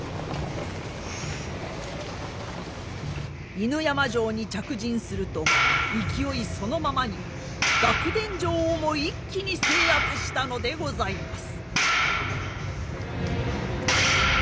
犬山城に着陣すると勢いそのままに楽田城をも一気に制圧したのでございます。